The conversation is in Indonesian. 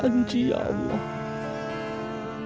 kalau istri dan anak hamba selamat